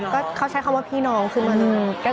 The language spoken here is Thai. ค่ะเขาใช้คำว่าพี่น้องคือนี่